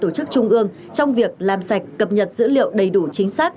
tổ chức trung ương trong việc làm sạch cập nhật dữ liệu đầy đủ chính xác